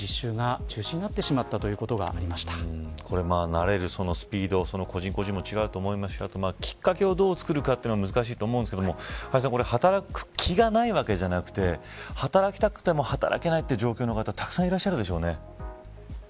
慣れるスピード個人個人も違うと思いますしきっかけをどう作るかが難しいと思うんですが働く気がないわけじゃなくて働きたくても働けない状況の方たくさんそうですね。